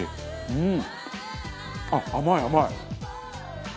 うん。